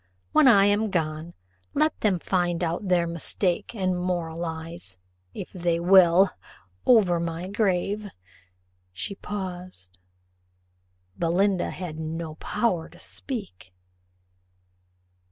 When I am gone, let them find out their mistake; and moralize, if they will, over my grave." She paused. Belinda had no power to speak.